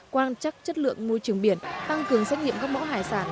tăng cường xét nghiệm các mẫu hải sản